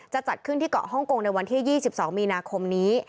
จัดขึ้นที่เกาะฮ่องกงในวันที่๒๒มีนาคมนี้